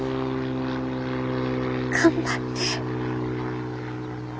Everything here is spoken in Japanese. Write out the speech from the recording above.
頑張って。